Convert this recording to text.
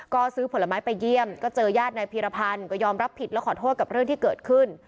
ก็ซื้อผลไม้ไปเยี่ยมก็เจอญาตินายพีรพันธ์ก็ยอมรับผิดและขอโทษกับเรื่องที่เกิดขึ้น